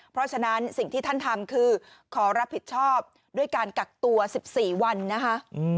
เพราะฉะนั้นสิ่งที่ท่านทำคือขอรับผิดชอบด้วยการกักตัว๑๔วันนะคะ